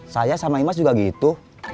saya sama imas juga gitu